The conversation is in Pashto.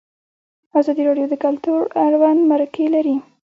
ازادي راډیو د کلتور اړوند مرکې کړي.